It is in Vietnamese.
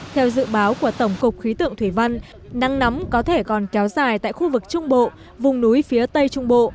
theo dự báo của tổng cục khí tượng thủy văn nắng nóng có thể còn kéo dài tại khu vực trung bộ vùng núi phía tây trung bộ